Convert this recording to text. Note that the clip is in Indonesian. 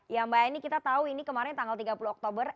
ya mbak eni kita tahu ini kemarin tanggal tiga puluh oktober